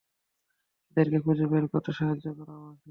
এদেরকে খুঁজে বের করতে সাহায্য করো আমাকে।